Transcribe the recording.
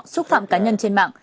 xúc phạm cá nhân trên mạng